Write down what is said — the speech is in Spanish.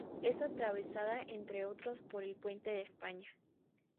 Es atravesada entre otros por el Puente España.